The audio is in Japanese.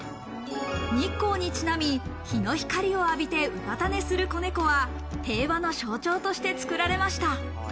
日光にちなみ、日の光を浴びて、うたた寝する子猫は平和の象徴として造られました。